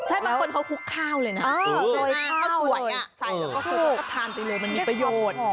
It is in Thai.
ใช่บางคนเขาคลุกข้าวเลยนะข้าวสวยใส่แล้วก็คลุกแล้วก็ทานไปเลยมันมีประโยชน์